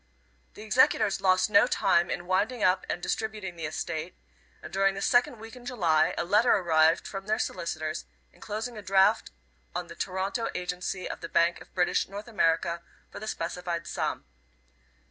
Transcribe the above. The executors lost no time in winding up and distributing the estate, and during the second week in July a letter arrived from their solicitors enclosing a draft on the Toronto agency of the Bank of British North America for the specified sum.